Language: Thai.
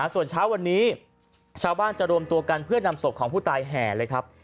ส่วนเช้าวันนี้ชาวบ้านจะรวมตัวกันเพื่อนำศพของผู้ตายแห่เลยครับ